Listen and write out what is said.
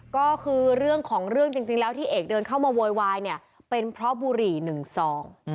ก็คือเรื่องของเรื่องจริงแล้วที่เอกเดินเข้ามาโวยวายเนี่ยเป็นเพราะบุหรี่หนึ่งซอง